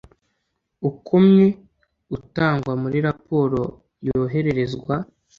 ukomye utangwa muri raporo yohererezwa